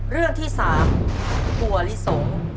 เรื่องที่๓ถั่วลิสง